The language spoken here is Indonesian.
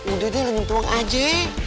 udah deh lu nyemplung aja